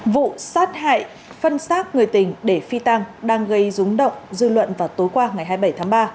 vụ sát hại phân xác người tình để phi tăng đang gây rúng động dư luận vào tối qua ngày hai mươi bảy tháng ba